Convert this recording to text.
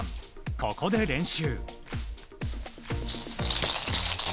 ここで練習。